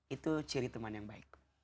itu ciri teman yang baik